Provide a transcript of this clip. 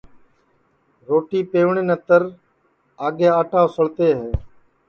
روٹی پَوٹؔے نتے پہلے آٹا اُسݪتے ہے